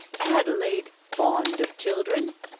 "Adelaide, fond of children!